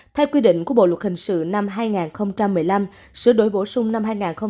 theo quy định của bộ luật hình sự năm hai nghìn một mươi năm sửa đổi bổ sung năm hai nghìn một mươi bảy